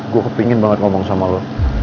gue kepingin banget ngomong sama lo